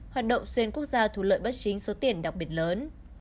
hoạt động xuyên quốc gia thu lợi bất chính số tiền đặc biệt lớn